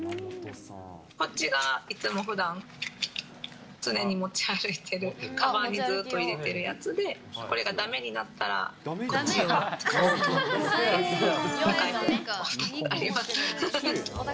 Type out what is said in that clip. こっちがいつもふだん、常に持ち歩いている、かばんにずっと入れているやつで、これがだめになったら、こっちを使おうと思って、２個あります。